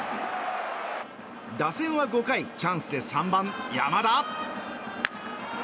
打線は５回チャンスで３番、山田。